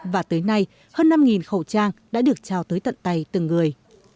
và tới nay hơn năm khẩu trang đã được trao tới tận tay từng người